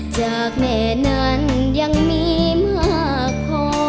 จากแม่นั้นยังมีมากพอ